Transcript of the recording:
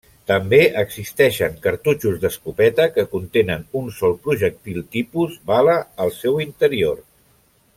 També existeixen cartutxos d'escopeta que contenen un sol projectil tipus bala al seu interior.